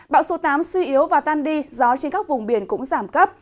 bão số tám suy yếu và tan đi gió trên các vùng biển cũng giảm cấp